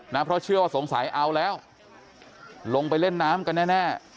เพราะเชื่อว่าสงสัยเอาแล้วลงไปเล่นน้ำกันแน่